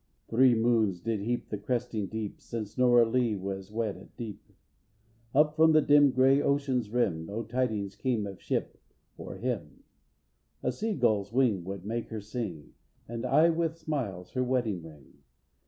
II. Three moons did heap the cresting deep Since Nora Lee was wed at Dreep. Up from the dim grey ocean's rim No tidings came of ship, or him. A sea gull's wing would make her sing, And eye with smiles her wedding ring.